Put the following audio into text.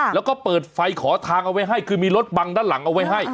แล้วก็เปิดไฟขอทางเอาไว้ให้คือมีรถบังด้านหลังเอาไว้ให้